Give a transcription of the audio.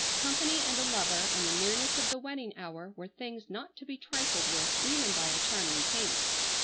Company and a lover and the nearness of the wedding hour were things not to be trifled with even by a charming Kate.